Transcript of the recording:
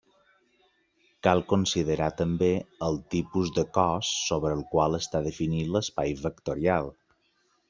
Cal considerar també el tipus de cos sobre el qual està definit l'espai vectorial.